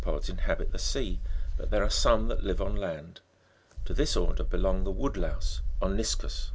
Most of the Iso'pods inhabit the sea, but there are some that live on land. To this order belongs tiie wood louse Oniscus {fig.